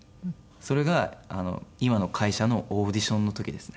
それが今の会社のオーディションの時ですね。